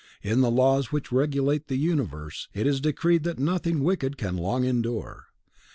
In the laws which regulate the universe, it is decreed that nothing wicked can long endure.